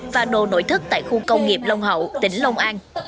và đồ nội thức tại khu công nghiệp long hậu tỉnh long an